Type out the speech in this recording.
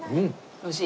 おいしい！